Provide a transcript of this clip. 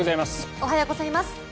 おはようございます。